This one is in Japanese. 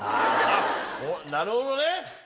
なるほどね。